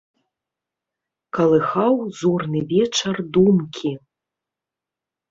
Калыхаў зорны вечар думкі.